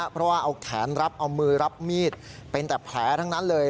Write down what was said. เพราะว่าเอาแขนรับเอามือรับมีดเป็นแต่แผลทั้งนั้นเลย